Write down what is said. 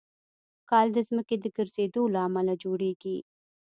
کال د ځمکې د ګرځېدو له امله جوړېږي.